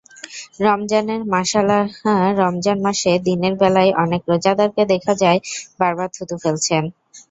রমজানের মাসআলারমজান মাসে দিনের বেলায় অনেক রোজাদারকে দেখা যায় বারবার থুতু ফেলছেন।